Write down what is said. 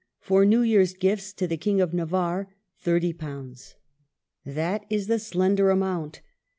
For New Year's gifts to the King of Navarre, £30,. That is the slender amount.